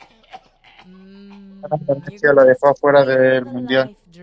Están cubiertas con pequeñas cerdas y un número de relativamente largos pelos.